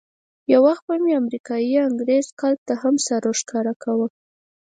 یو وخت به مې امریکایي انګرېز کلب ته هم سر ورښکاره کاوه.